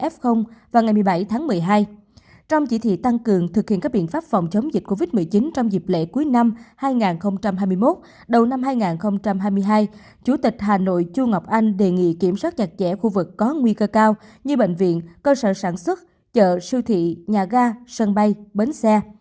f vào ngày một mươi bảy tháng một mươi hai trong chỉ thị tăng cường thực hiện các biện pháp phòng chống dịch covid một mươi chín trong dịp lễ cuối năm hai nghìn hai mươi một đầu năm hai nghìn hai mươi hai chủ tịch hà nội chu ngọc anh đề nghị kiểm soát nhặt chẽ khu vực có nguy cơ cao như bệnh viện cơ sở sản xuất chợ siêu thị nhà ga sân bay bến xe